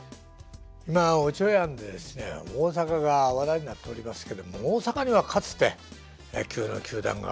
今「おちょやん」でですね大阪が話題になっておりますけども大阪にはかつて野球の球団がたくさんありました。